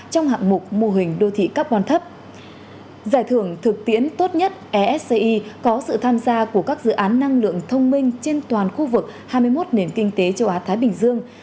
trong hạng mục mô hình đô thị carbon thấp giải thưởng thực tiễn tốt nhất esci có sự tham gia của các dự án năng lượng thông minh trên toàn khu vực hai mươi một nền kinh tế châu á thái bình dương